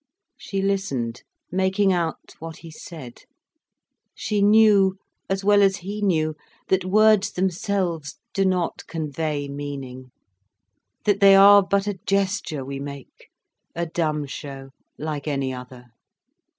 She listened, making out what he said. She knew, as well as he knew, that words themselves do not convey meaning, that they are but a gesture we make, a dumb show like any other.